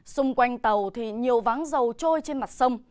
xung quanh tàu nhiều vắng dầu trôi trên mặt sông